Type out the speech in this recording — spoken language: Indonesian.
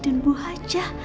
dan bu hajah